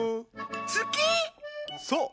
つき⁉そう。